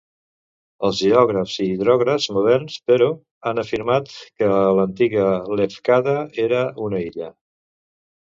Els geògrafs i hidrògrafs moderns, però, han afirmat que l'antiga Lefkada era una illa.